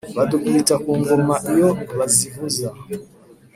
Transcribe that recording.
badukubita ku ngoma iyo bazivuza”